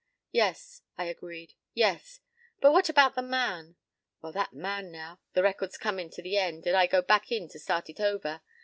p> "Yes," I agreed, "yes.—But what about the man?" "Well, that man, now. The record's comin' to the end and I go back in to start it over.